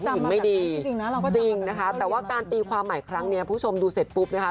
วันทองสองใจเป็นผู้หญิงไม่ดีจริงนะคะแต่ว่าการตีความใหม่ครั้งนี้ผู้ชมดูเสร็จปุ๊บนะคะ